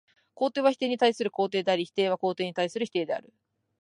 肯定は否定に対する肯定であり、否定は肯定に対する否定である。